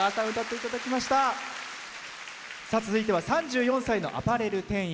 続いては３４歳のアパレル店員。